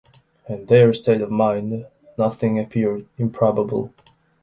In their state of mind nothing appeared improbable.